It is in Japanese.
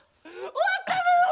終わったの！